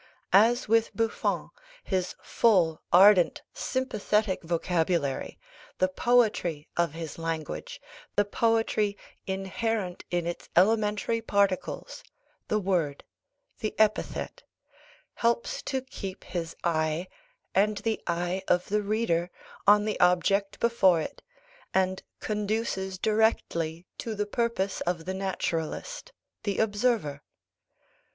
As with Buffon, his full, ardent, sympathetic vocabulary, the poetry of his language, a poetry inherent in its elementary particles the word, the epithet helps to keep his eye, and the eye of the reader, on the object before it, and conduces directly to the purpose of the naturalist, the observer.